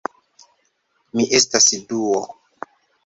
Mi estas Duo